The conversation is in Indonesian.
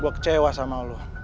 gue kecewa sama lo